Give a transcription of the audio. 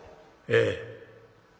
「ええ。